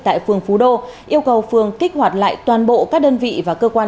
tại phương phú đô yêu cầu phương kích hoạt lại toàn bộ các đơn vị và cơ quan